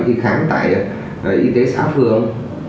thì khám tại y tế xã phường